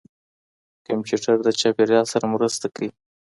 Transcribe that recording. کمپيوټر د چاپېريال سره مرسته کوي.